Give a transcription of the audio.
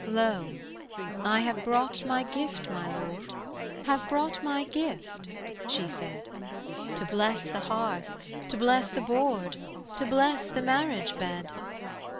"Lo, I have brought my gift, my lord, Have brought my gift," she said: "To bless the hearth, to bless the board, To bless the marriage bed.